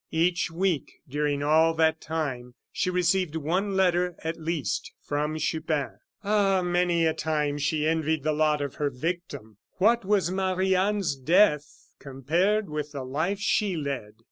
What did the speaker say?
Each week during all that time she received one letter, at least, from Chupin. Ah! many a time she envied the lot of her victim! What was Marie Anne's death compared with the life she led?